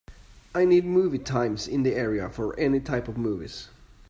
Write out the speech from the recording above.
I need movie times in the area for any type of movies